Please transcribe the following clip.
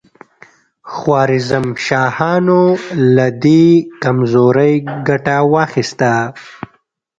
خوارزم شاهانو له دې کمزورۍ ګټه واخیسته.